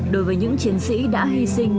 đối với những chiến sĩ đã hy sinh